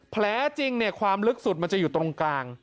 แผลจริงความลึกสุดมันจะอยู่ตรงกลาง